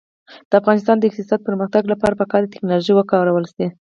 د افغانستان د اقتصادي پرمختګ لپاره پکار ده چې ټیکنالوژي وکارول شي.